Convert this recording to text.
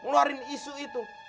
mengeluarin isu itu